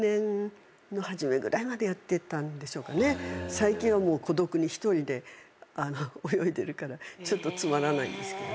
最近はもう孤独に独りで泳いでるからちょっとつまらないんですけど。